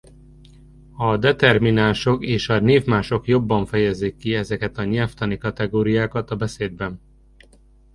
A determinánsok és a névmások jobban fejezik ki ezeket a nyelvtani kategóriákat a beszédben.